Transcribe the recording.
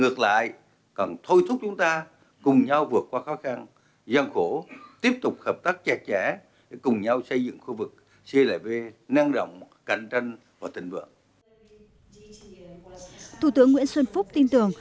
góp phần tăng cường quan hệ hữu nghị truyền thống tốt đẹp cùng xây dựng khu vực biên giới chung hòa bình thịnh vượng